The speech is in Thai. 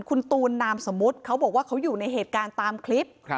คุณตูนนามสมมุติเขาบอกว่าเขาอยู่ในเหตุการณ์ตามคลิป